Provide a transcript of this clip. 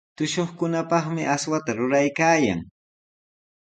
Tushuqkunapaqmi aswata ruraykaayan.